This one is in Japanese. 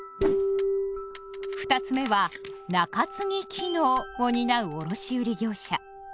二つ目は「仲継機能」を担う卸売業者。